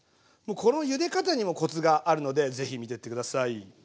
このゆで方にもコツがあるのでぜひ見てって下さい。